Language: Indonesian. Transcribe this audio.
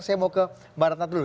saya mau ke mbak ratna dulu